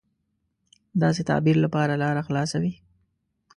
داسې تعبیر لپاره لاره خلاصه وي.